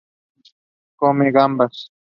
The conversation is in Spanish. Come gambas.